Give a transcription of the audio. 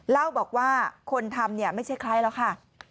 เล่าบอกว่าคนทำเนี่ยไม่ใช่ใครแล้วค่ะ